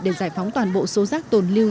để giải phóng toàn bộ số rác tồn lưu